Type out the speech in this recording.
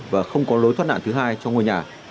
và không có lối thoát nạn thứ hai cho ngôi nhà